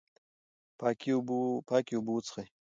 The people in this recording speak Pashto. پاکې اوبه وڅښئ.